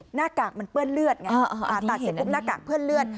หน้ากากมันเปื้อนเลือดไงตัดเสร็จปุ๊บหน้ากากเปื้อนเลือด